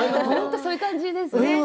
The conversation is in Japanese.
そういう感じですね。